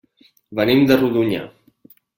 Venim de Rodonyà.